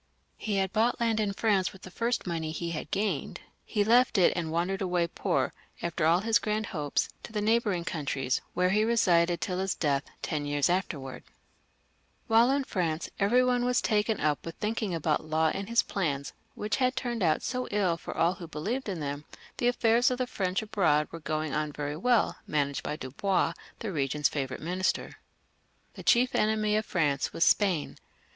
He had bought land in France with the first money he had gained ; he left it and wandered away poor, after all his grand hopes, to the neighbouring coun tries, where he lived tUl his death, ten years after wards. While inside France every one was taken up with thinking about Law and his plans, which turned out so ill for all who believed in them, the affairs of the French abroad were going on very well, managed by Dubois, the regent's favourite Minister. The chief enemy of France was Spain.